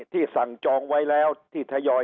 สั่งจองไว้แล้วที่ทยอย